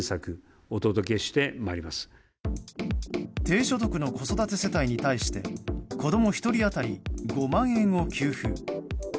低所得の子育て世帯に対して子供１人当たり５万円を給付。